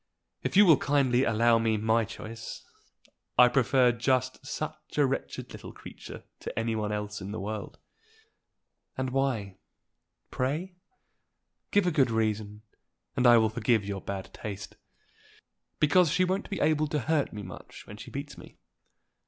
"If you will kindly allow me my choice, I prefer just such a wretched little creature to any one else in the world." "And why, pray? Give a good reason, and I will forgive your bad taste." "Because she won't be able to hurt me much when she beats me."